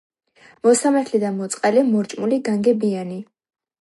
მოსამართლე და მოწყალე, მორჭმული, განგებიანი,